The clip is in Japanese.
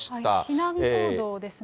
避難行動ですね。